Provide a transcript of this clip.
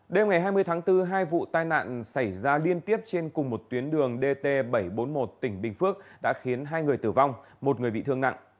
đêm ngày hai mươi tháng bốn hai vụ tai nạn xảy ra liên tiếp trên cùng một tuyến đường dt bảy trăm bốn mươi một tỉnh bình phước đã khiến hai người tử vong một người bị thương nặng